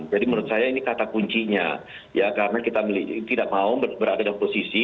jadi menurut saya ini kata kuncinya ya karena kita tidak mau berada di posisi